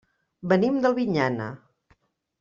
Venim d'Albinyana.